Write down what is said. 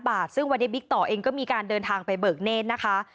๒๐๐๐๐๐๐บาทซึ่งวันเดียวบิ๊กต่อเองก็มีการเดินทางไปเบือกเนชนะคะ